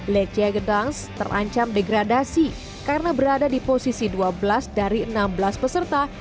lechia gedangs terancam degradasi karena berada di posisi dua belas dari enam belas peserta